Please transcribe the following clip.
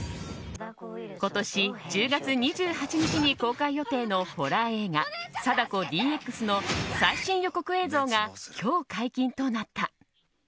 今年１０月２８日に公開予定のホラー映画「貞子ＤＸ」の最新予告映像が今日、解禁となった。